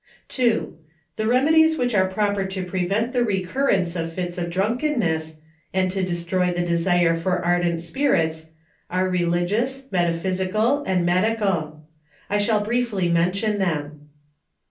II. The remedies which are proper to prevent the re currence of fits of drunkenness, and to destroy the de sire for ardent spirits, arc religious, metaphysical, and medical. I shall briefly mention them.